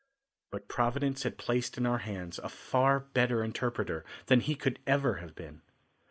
But Providence had placed in our hands a far better interpreter than he could ever have been.